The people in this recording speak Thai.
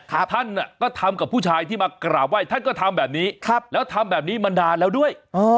ท่านก็ทำกับผู้ชายที่มากราบไหว้ท่านก็ทำแบบนี้ครับแล้วทำแบบนี้มานานแล้วด้วย